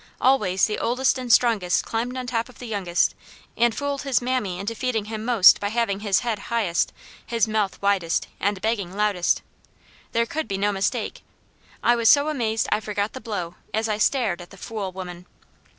Always the oldest and strongest climbed on top of the youngest and fooled his mammy into feeding him most by having his head highest, his mouth widest, and begging loudest. There could be no mistake. I was so amazed I forgot the blow, as I stared at the fool woman.